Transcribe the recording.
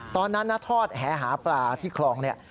ตอนนั้นนะทอดแหหาปลาที่คลองเนี่ย